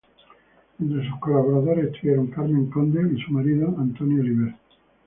Entre sus colaboradores estuvieron Carmen Conde y su marido, Antonio Oliver.